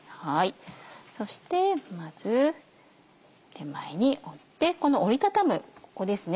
そしてまず手前に折ってこの折り畳むここですね。